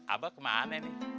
abah kemana nih